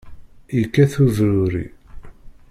Yekkat ubruri.